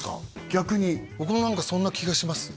逆に僕も何かそんな気がします